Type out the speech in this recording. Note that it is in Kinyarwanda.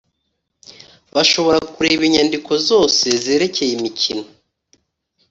Bashobora kureba inyandiko zose zerekeye imikino